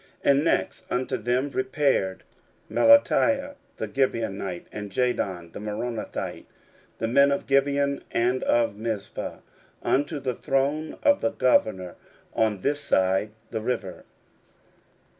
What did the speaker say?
16:003:007 And next unto them repaired Melatiah the Gibeonite, and Jadon the Meronothite, the men of Gibeon, and of Mizpah, unto the throne of the governor on this side the river.